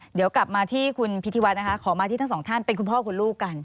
เดี๋ยวกลับมาที่คุณพิธีวัฒน์นะคะขอมาที่ทั้งสองท่านเป็นคุณพ่อคุณลูกกัน